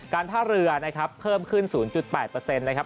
การท่าเรือนะครับเพิ่มขึ้น๐๘เปอร์เซ็นต์นะครับ